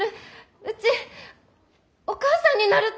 うちお母さんになるって！